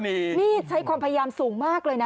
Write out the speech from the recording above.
นี่ใช้ความพยายามสูงมากเลยนะ